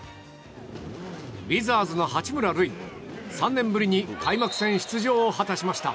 ウィザーズの八村塁３年ぶりに開幕戦出場を果たしました。